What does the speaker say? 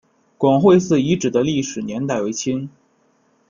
广惠寺遗址的历史年代为清。